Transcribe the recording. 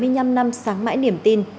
bảy mươi năm năm sáng mãi niềm tin